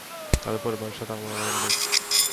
তাদের পরিবারের সাথে আমার অনেকদিনের পরিচয়।